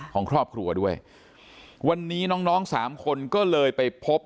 ของครอบครัวด้วยวันนี้น้องน้องสามคนก็เลยไปพบ